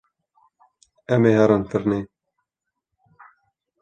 Em ê herin firnê.